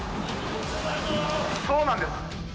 そうなんです。